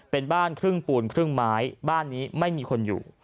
เป็นบ้านครึ่งปูนครึ่งไม้บ้านนี้ไม่มีคนอยู่